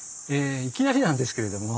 いきなりなんですけれども。